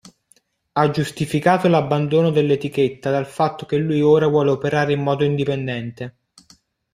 Ha giustificato l'abbandono del´etichetta dal fatto che lui ora vuole operare in modo indipendente.